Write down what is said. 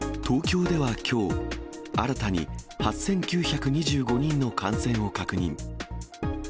東京ではきょう、新たに８９２５人の感染を確認。